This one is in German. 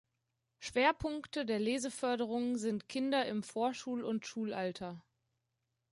Schwerpunkte der Leseförderung sind Kinder im Vorschul- und Schulalter.